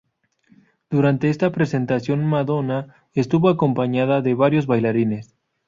Durante esta presentación Madonna estuvo acompañada de varios bailarines.